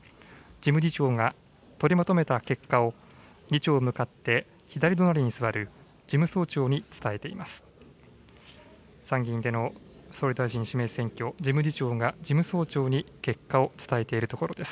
事務次長が取りまとめた結果を議長向かって左隣に座る事務総長に伝えています。